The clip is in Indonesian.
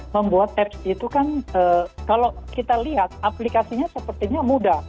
membuat app itu kan kalau kita lihat aplikasinya sepertinya mudah